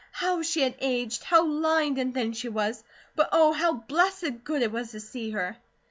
How she had aged! How lined and thin she was! But Oh, how blessed good it was to see her!